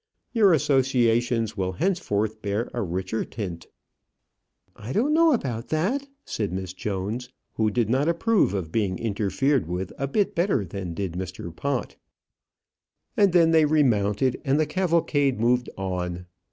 Your associations will henceforth bear a richer tint." "I don't know that," said Miss Jones, who did not approve of being interfered with a bit better than did Mr. Pott. And then they remounted, and the cavalcade moved on.